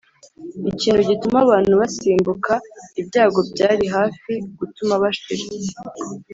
(ikintu gituma abantu basimbuka ibyago byari hafi gutuma bashira)